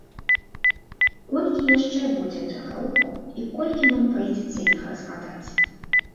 Колькі яшчэ будзе тых рухаў і колькі нам прыйдзецца іх разгадаць!